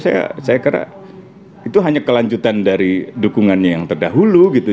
saya kira itu hanya kelanjutan dari dukungannya yang terdahulu gitu